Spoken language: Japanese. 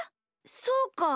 そうか。